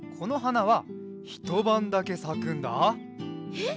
えっ？